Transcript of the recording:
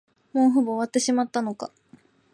もうほぼ終わってしまったのか。